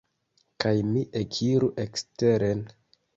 Kaj mi ekiru eksteren.